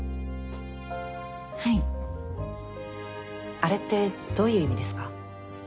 あれってどういう意味ですか？